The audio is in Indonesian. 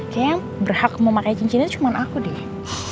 kayaknya yang berhak mau pake cincinnya cuman aku deh